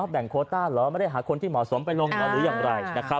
แบ่งโคต้าเหรอไม่ได้หาคนที่เหมาะสมไปลงเหรอหรืออย่างไร